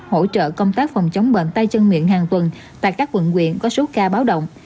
hỗ trợ công tác phòng chống bệnh tay chân miệng hàng tuần tại các quận quyện có số ca báo động